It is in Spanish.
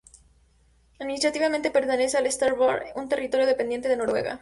Administrativamente, pertenece a Svalbard, un territorio dependiente de Noruega.